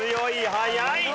早い！